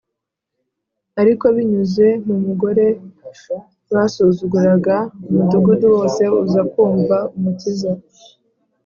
. Ariko binyuze mu mugore basuzuguraga, umudugudu wose uza kumva Umukiza.